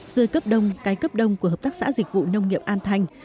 rươi cấp đông cái cấp đông của hợp tác xã dịch vụ nông nghiệp an thanh